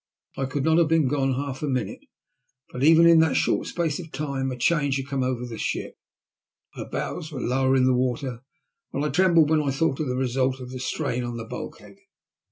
I could not have been gone half a minute, but even in that short space of time a change had come over the ship. Her bows were lower in the water, and I trembled when I thought of the result of the strain on the bulkhead.